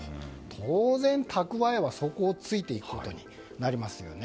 当然、蓄えは底をついていくことになりますよね。